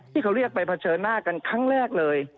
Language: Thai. ที่เขาเรียกไปเผชิญหน้ากันครั้งแรกเลย